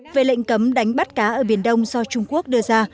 về lệnh cấm đánh bắt cá ở biển đông do trung quốc đưa ra